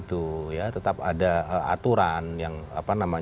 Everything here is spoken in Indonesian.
tapi substansi ya bahwa kita harus menghilangkan regulasi